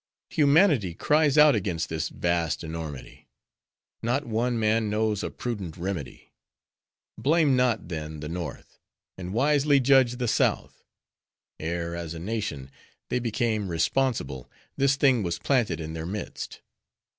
Humanity cries out against this vast enormity:— not one man knows a prudent remedy. Blame not, then, the North; and wisely judge the South. Ere, as a nation, they became responsible, this thing was planted in their midst.